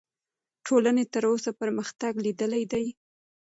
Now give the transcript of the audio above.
ټولنې تر اوسه پرمختګ لیدلی دی.